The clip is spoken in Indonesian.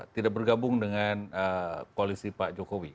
tidak bergabung dengan koalisi pak jokowi